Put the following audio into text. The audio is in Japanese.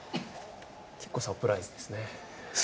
結構、サプライズですね。